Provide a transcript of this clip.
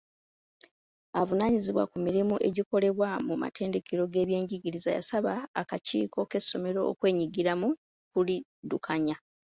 Avunaanyizibwa ku mirimu egikolebwa mu matendekero g'ebyenjigiriza yasaba akakiiko k'essomero okwenyigira mu kuliddukanya.